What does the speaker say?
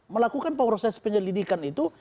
melakukan proses penyelidikan itu